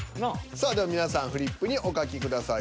さあでは皆さんフリップにお書きください